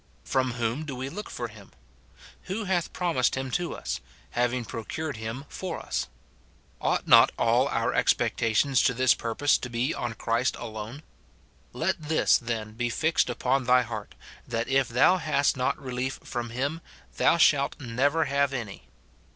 from whom do we look for him ? who hath promised him to us, having procured him for us ? Ought not all our expec tations to this purpose to be on Christ alone ? Let this, then, be fixed upon thy heart, that if thou hast not relief from him, thou shalt never have any.